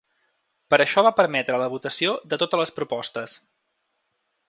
Per això va permetre la votació de totes les propostes.